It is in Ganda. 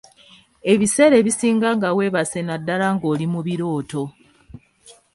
Ebiseera ebisinga nga weebase naddala ng'oli mu birooto.